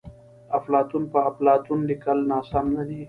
افلاطون په اپلاتون لیکل ناسم ندي.